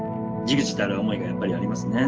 忸怩たる思いがやっぱりありますね。